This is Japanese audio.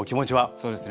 そうですね